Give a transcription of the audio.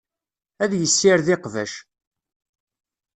Ad yessired iqbac.